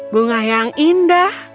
bunga yang indah